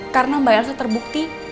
karena mbak elsa terbukti